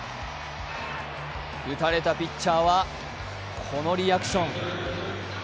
打たれたピッチャーは、このリアクション。